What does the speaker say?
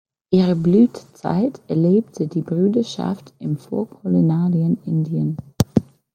Ihre Blütezeit erlebte die Bruderschaft im vorkolonialen Indien.